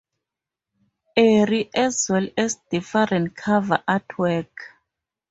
Arie, as well as different cover artwork.